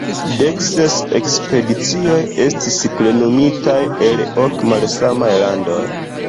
Dekses ekspedicioj estis plenumitaj el ok malsamaj landoj.